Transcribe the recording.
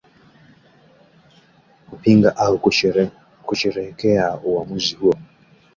kupinga au kusherehekea uwamuzi huo